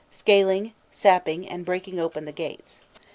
scaling, sapping, and breaking open the gates.